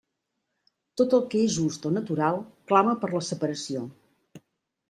Tot el que és just o natural clama per la separació.